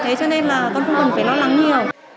thế cho nên là con không cần phải lo lắng nhiều